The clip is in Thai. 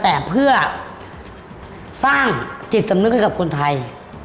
แต่เพื่อสร้างจิตสำนึกให้กับคนไทย